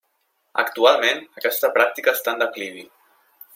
Actualment aquesta pràctica està en declivi.